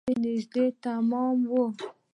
کار مې نژدې تمام و.